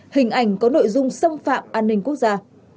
hình ảnh có nội dung xâm phạm an ninh quốc gia